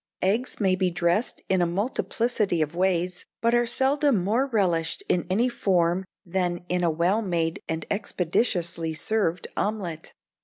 "Eggs may be dressed in a multiplicity of ways, but are seldom more relished in any form than in a well made and expeditiously served omelette.